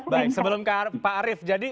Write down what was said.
baik sebelum pak arief jadi